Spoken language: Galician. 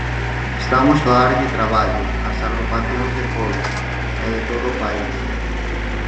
Estamos a darlle traballo ás agrupacións de Poio e de todo o país.